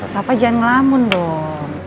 lapa jangan ngelamun dong